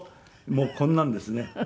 もうこんなんですね。